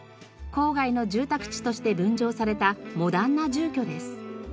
郊外の住宅地として分譲されたモダンな住居です。